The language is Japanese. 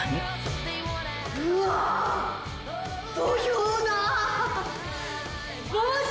うわ土俵だ。